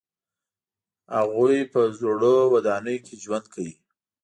هغوی په زړو ودانیو کې ژوند کوي.